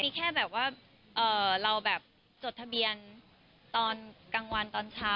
มีแค่แบบว่าเราแบบจดทะเบียนตอนกลางวันตอนเช้า